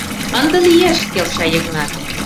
— Ынде лиеш, — келша Йыгнат.